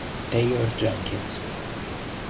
Taylor Jenkins